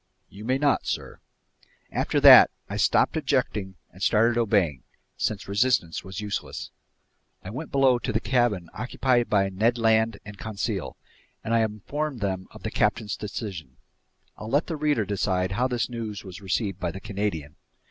"You may not, sir." After that, I stopped objecting and started obeying, since resistance was useless. I went below to the cabin occupied by Ned Land and Conseil, and I informed them of the captain's decision. I'll let the reader decide how this news was received by the Canadian.